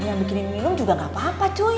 kamu yang bikinin minum juga gak apa apa cuy